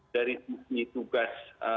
dari sisi tugas